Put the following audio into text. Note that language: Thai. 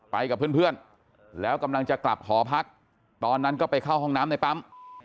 ไปกับเพื่อนแล้วกำลังจะกลับหอพักตอนนั้นก็ไปเข้าห้องน้ำในปั๊ม